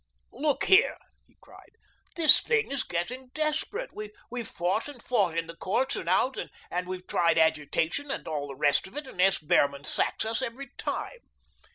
"Look here," he cried, "this thing is getting desperate. We've fought and fought in the courts and out and we've tried agitation and and all the rest of it and S. Behrman sacks us every time.